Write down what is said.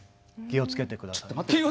気をつけて下さい？